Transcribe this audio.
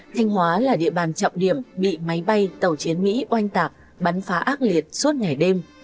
thanh hóa là địa bàn trọng điểm bị máy bay tàu chiến mỹ oanh tạc bắn phá ác liệt suốt ngày đêm